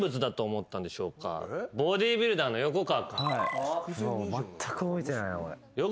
ボディビルダーの横川君。